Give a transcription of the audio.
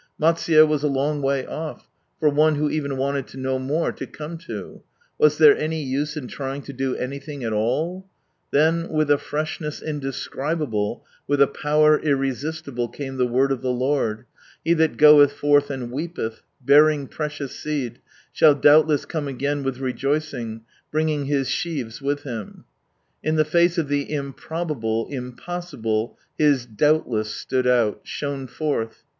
Malsuye was a long way off, for one who even wanted to know more, to come to : was there any use in trying to do anything at allP Then with a freshness indescribable, with a power irresistible, came the Word of the Lord, " He that goeth forth and weepelh, bear ing precious seed, shall doubtless come again with rejoicing, bringing his sheaves with him." In the face of the improbable, impossible, His " doubtless" stood out, shone forth.